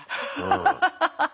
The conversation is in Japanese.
ハハハハハ。